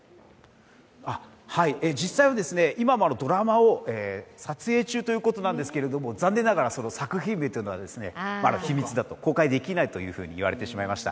実際は、今もドラマを撮影中ということなんですけれども残念ながらその作品名というのはまだ秘密だと、公開できないと言われてしまいました。